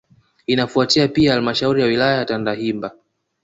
Inafuatia Pia halmashauri ya wilaya ya Tandahimba